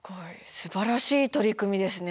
すばらしい取り組みですね